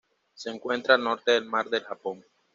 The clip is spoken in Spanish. Se encuentra al norte del Mar del Japón.